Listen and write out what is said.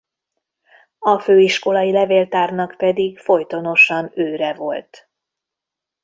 A főiskolai levéltárnak pedig folytonosan őre volt.